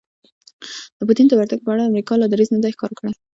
د پوتین د ورتګ په اړه امریکا لا دریځ نه دی ښکاره کړی